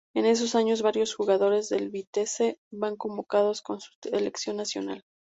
En esos años, varios jugadores del Vitesse van convocados con su selección nacional.